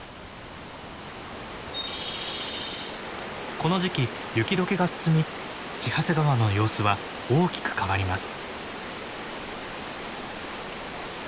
この時期雪どけが進み千走川の様子は大きく変わります。